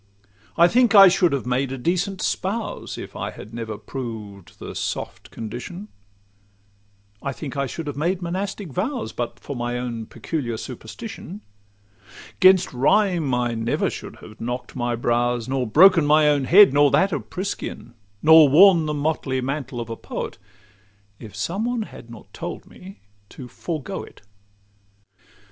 I think I should have made a decent spouse, If I had never proved the soft condition; I think I should have made monastic vows, But for my own peculiar superstition: 'Gainst rhyme I never should have knock'd my brows, Nor broken my own head, nor that of Priscian, Nor worn the motley mantle of a poet, If some one had not told me to forego it.